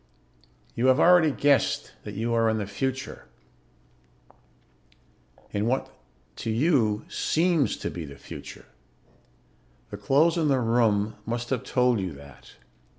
"You have already guessed that you are in the future in what, to you, seems to be the future. The clothes and the room must have told you that.